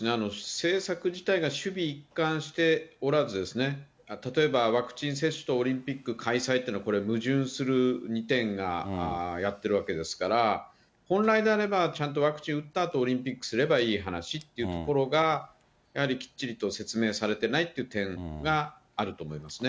政策自体が首尾一貫しておらずですね、例えば、ワクチン接種とオリンピック開催っていうのはこれ、矛盾する２点がやってるわけですから、本来であればちゃんとワクチン打ったあとでオリンピックすればいい話ってところが、やはりきっちりと説明されてないという点があると思いますね。